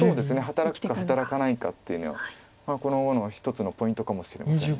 働くか働かないかっていうのはこの碁の一つのポイントかもしれません。